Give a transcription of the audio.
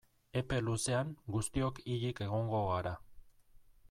Epe luzean guztiok hilik egongo gara.